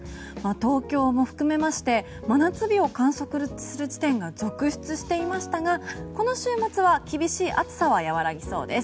東京も含めまして真夏日を観測する地点が続出していましたがこの週末は厳しい暑さは和らぎそうです。